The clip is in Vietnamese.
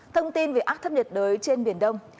thông tin về áp thấp nhiệt đới trên biển đông